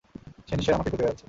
সে নিশ্চয়ই আমাকে খুঁজে বেড়াচ্ছে।